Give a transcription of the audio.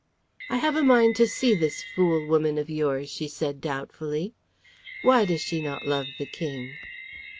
"I have a mind to see this fool woman of yours," she said doubtfully. "Why does she not love the King?"